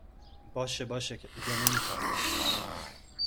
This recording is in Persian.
باشه باشه که دیگه نمیخندم